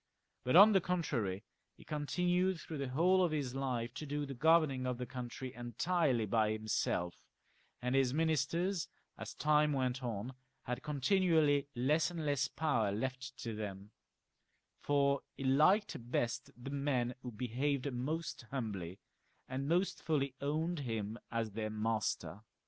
But, on the contrary, he continued through the whole of his life to do the governing of the country entirely by himself, and his ministers, as time went on, had continually less and less power left to them, for he liked' best the men who behaved most humbly, and most fully owned him as their master.